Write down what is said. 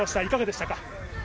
いかがでしたか？